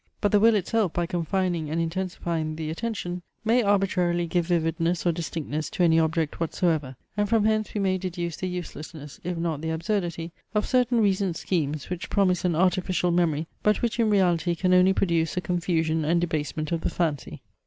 But the will itself by confining and intensifying the attention may arbitrarily give vividness or distinctness to any object whatsoever; and from hence we may deduce the uselessness, if not the absurdity, of certain recent schemes which promise an artificial memory, but which in reality can only produce a confusion and debasement of the fancy.